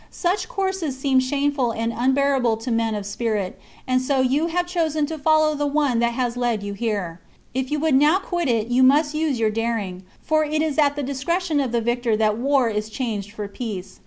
Such courses seemed shameful and unbearable to men of spirit, and so you have chosen to follow the one that has led you here. If you would now quit it you must use your daring, for it is at the discretion of the victor that war is changed for peace.